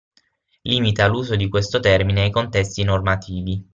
Limita l'uso di questo termine ai contesti normativi.